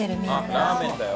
ラーメンだよ。